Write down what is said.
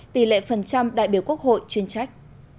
tỷ lệ phần trăm đại biểu quốc hội chuyên trách